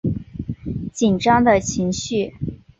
紧张的情绪